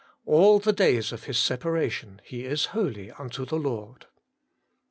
' All the days of his separation he is holy unto the Lord.'